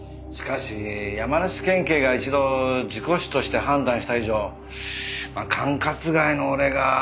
しかし山梨県警が一度事故死として判断した以上管轄外の俺が。